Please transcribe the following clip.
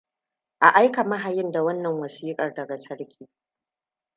A aika mahayin da wannan wasiƙar daga sarki.